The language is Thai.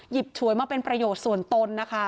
หยิบฉวยมาเป็นประโยชน์ส่วนตน